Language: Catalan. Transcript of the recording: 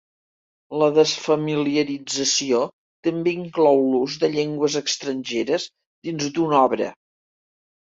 La desfamiliarització també inclou l'ús de llengües estrangeres dins d'una obra.